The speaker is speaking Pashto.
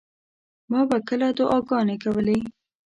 ما به کله دعاګانې کولې.